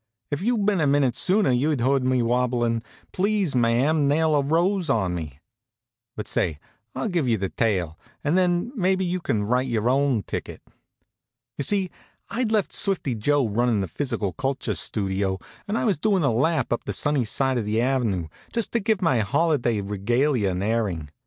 If you'd been a minute sooner you'd heard me wobblin' "Please, Ma ma, nail a rose on me." But say, I'll give you the tale, and then maybe you can write your own ticket. You see, I'd left Swifty Joe runnin' the Physical Culture Studio, and I was doin' a lap up the sunny side of the avenue, just to give my holiday regalia an airing.